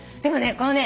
このね